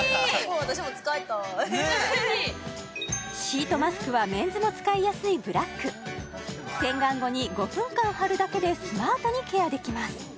ねえ・ぜひぜひシートマスクはメンズも使いやすいブラック洗顔後に５分間はるだけでスマートにケアできます